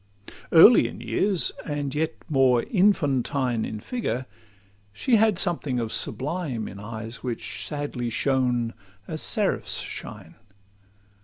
Early in years, and yet more infantine In figure, she had something of sublime In eyes which sadly shone, as seraphs' shine.